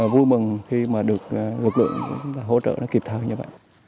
vui mừng khi mà được lực lượng hỗ trợ nó kịp thời như vậy